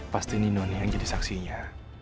pasti nino nih yang jadi saksinya